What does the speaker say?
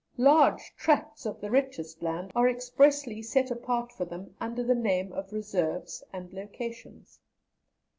Large tracts of the richest land are expressly set apart for them under the name of 'reserves' and 'locations.'